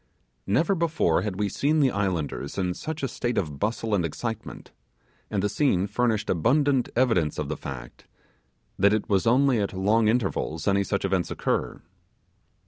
Never before had we seen the islanders in such a state of bustle and excitement; and the scene furnished abundant evidence of the fact that it was only at long intervals any such events occur.